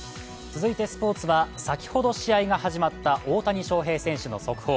続いてスポーツは先ほど試合が始まった大谷翔平選手の速報。